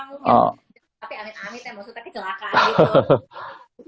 tapi amit amitnya maksudnya kecelakaan gitu